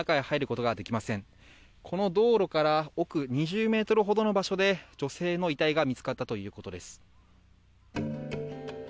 この道路から奥２０ｍほどの場所で女性の遺体が見つかったということです。